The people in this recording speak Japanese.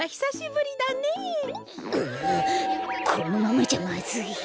ううこのままじゃまずい。